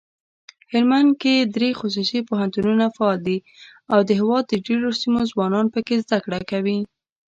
هلمندکې دري خصوصي پوهنتونونه فعال دي اودهیواد دډیروسیمو ځوانان پکښي زده کړه کوي.